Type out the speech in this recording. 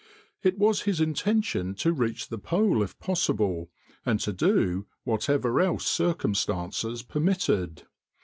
It was his intention to reach the pole if possible, and to do whatever else circumstances permitted.